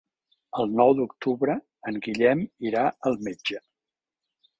El nou d'octubre en Guillem irà al metge.